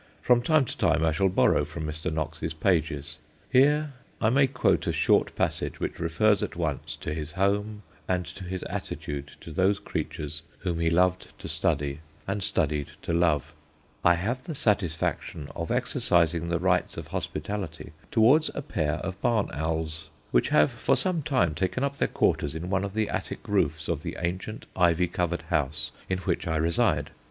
From time to time I shall borrow from Mr. Knox's pages: here I may quote a short passage which refers at once to his home and to his attitude to those creatures whom he loved to study and studied to love: "I have the satisfaction of exercising the rites of hospitality towards a pair of barn owls, which have for some time taken up their quarters in one of the attic roofs of the ancient, ivy covered house in which I reside.